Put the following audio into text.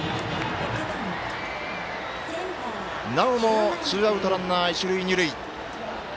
なおもツーアウトランナー、一塁二塁。